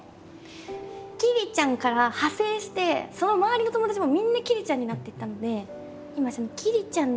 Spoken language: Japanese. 「きりちゃん」から派生してその周りの友達もみんな「きりちゃん」になっていったので今きりちゃんの木ときゃりーぱみ